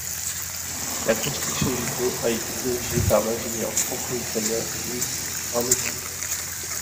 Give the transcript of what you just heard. La construction du pont a été dirigée par l'ingénieur franco-italien Luis Ramozzi.